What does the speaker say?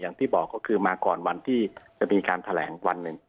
อย่างที่บอกก็คือมาก่อนวันที่จะมีการแถลงวันหนึ่ง